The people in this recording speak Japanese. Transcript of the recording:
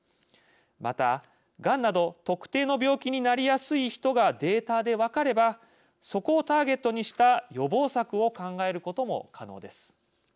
またがんなど特定の病気になりやすい人がデータで分かればそこをターゲットにした予防策を考えることも可能です。